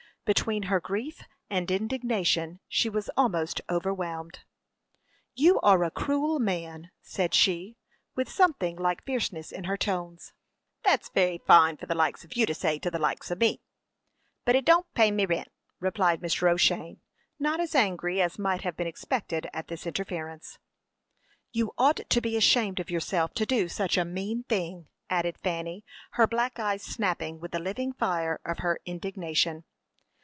Between her grief and indignation she was almost overwhelmed. "You are a cruel man," said she, with something like fierceness in her tones. "That's very foine for the likes of you to say to the likes of me; but it don't pay me rint," replied Mr. O'Shane, not as angry as might have been expected at this interference. "You ought to be ashamed of yourself to do such a mean thing!" added Fanny, her black eyes snapping with the living fire of her indignation.